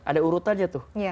ada urutannya tuh